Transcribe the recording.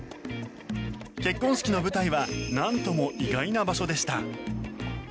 結婚式の舞台はなんとも意外な場所でした。